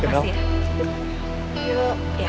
terima kasih ya